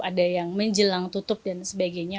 ada yang menjelang tutup dan sebagainya